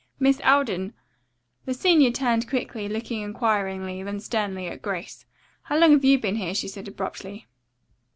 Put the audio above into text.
"Miss Alden!" The senior turned quickly, looking inquiringly, then sternly, at Grace. "How long have you been here?" she said abruptly.